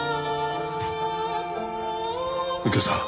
右京さん